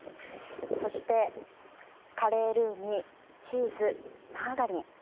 そして、カレールーにチーズマーガリン。